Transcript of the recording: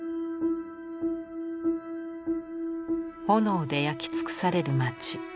炎で焼き尽くされる町。